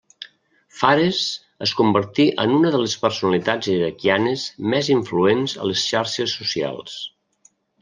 Fares es convertí en una de les personalitats iraquianes més influents a les xarxes socials.